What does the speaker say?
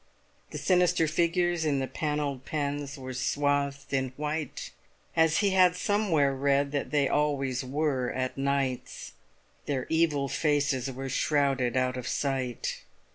The sinister figures in the panelled pens were swathed in white, as he had somewhere read that they always were at nights. Their evil faces were shrouded out of sight.